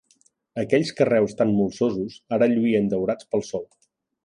Aquells carreus tan molsosos, ara lluïen daurats pel sol.